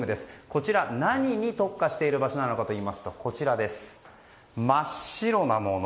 こちら、何に特化している場所なのかといいますと真っ白なもの